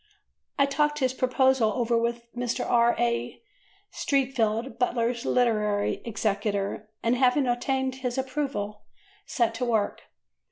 I talked his proposal over with Mr. R. A. Streatfeild, Butler's literary executor, and, having obtained his approval, set to work.